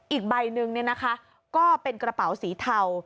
อีกใบหนึ่งเนี่ยนะคะก็เป็นกระเป๋าสีเทา